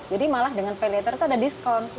jadi malah dengan payletter itu ada diskon